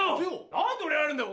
何で俺がやるんだよ。